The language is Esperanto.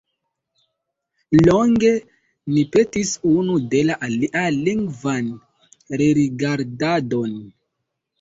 Longe ni petis unu de la alia lingvan rerigardadon.